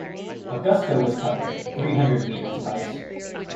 Augusta was covered in three hundred meters of ice.